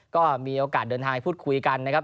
ก็มีโอกาสเดินทางพูดคุยกันนะครับ